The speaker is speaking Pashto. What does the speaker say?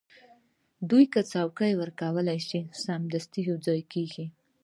دوی که څوکۍ ورکړل شي، سمدستي یو ځای کېږي.